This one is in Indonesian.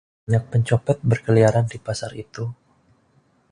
banyak pencopet berkeliaran di pasar itu